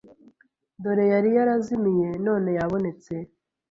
dore yari yarazimiye none yabonetse.